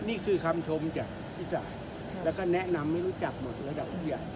นี่คือคำชมจากอีสานแล้วก็แนะนำให้รู้จักหมดระดับผู้ใหญ่